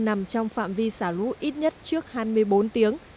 nằm trong phạm vi xả lũ ít nhất trước hai mươi bốn tiếng